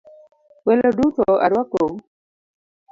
Welo duto aruakou.